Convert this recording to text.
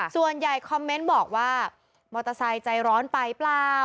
ส่วนใหญ่คอมเมนต์บอกว่ามอเตอร์ไซค์ใจร้อนไปเปล่า